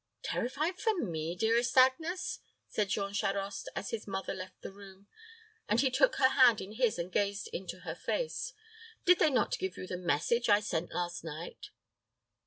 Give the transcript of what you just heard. "Terrified for me, dearest Agnes!" said Jean Charost, as his mother left the room; and he took her hand in his, and gazed into her face. "Did they not give you the message I sent last night?"